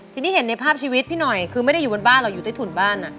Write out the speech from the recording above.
ทีนี้เห็นในภาพชีวิตพี่หน่อยคือไม่ได้อยู่บนบ้านหรอกอยู่ใต้ถุนบ้าน